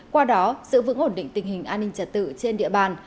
qua đó sự vững ổn định tình hình an ninh trả tự trên địa bàn